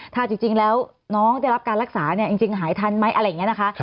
ถ้าจริงแล้วน้องได้รับการรักษาเนี่ยจริงหายทันไหมอะไรอย่างนี้นะคะ